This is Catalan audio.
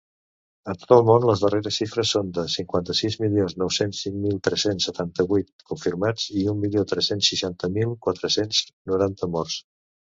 A tot el món, les darreres xifres són de cinquanta-sis milions nou-cents cinc mil tres-cents setanta-vuit confirmats i un milió tres-cents seixanta mil quatre-cents noranta morts.